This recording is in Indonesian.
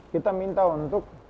kita minta untuk